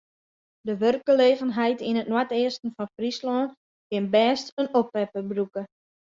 De wurkgelegenheid yn it noardeasten fan Fryslân kin bêst in oppepper brûke.